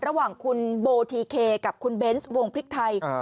ระหว่างคุณโบทีเคกับคุณเบนส์วงพริกไทย